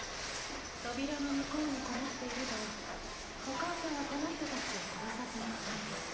扉の向こうにこもっていればお母さんはこの人たちを殺さずに済んだ。